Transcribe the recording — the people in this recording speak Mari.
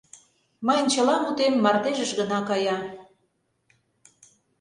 — Мыйын чыла мутем мардежыш гына кая...